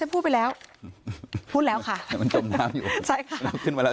พูดไปแล้วพูด